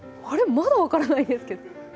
まだ分からないんですけど。